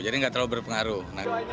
jadi nggak terlalu berpengaruh